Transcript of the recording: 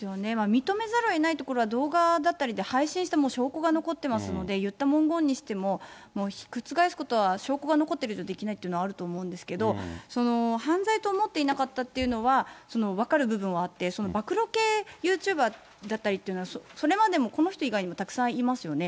認めざるをえないところは、動画だったりで配信した証拠が残ってますので、言った文言にしても、覆すことは、証拠が残っている以上、できないっていうのはあると思うんですけど、犯罪と思っていなかったっていうのは、分かる部分はあって、暴露系ユーチューバーだったりっていうのは、それまでもこの人以外にもたくさんいますよね。